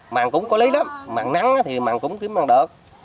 màng cũng có lý lắm màng nắng thì màng cũng kiếm màng đợt